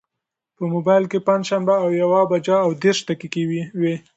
په مبایل کې پنجشنبه او یوه بجه او دېرش دقیقې وې.